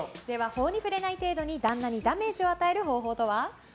法に触れない程度に旦那にダメージを与える方法とは？